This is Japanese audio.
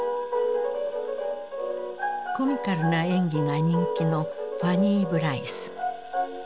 コミカルな演技が人気のファニー・ブライス。